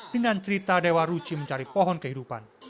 dengan cerita dewa ruci mencari pohon kehidupan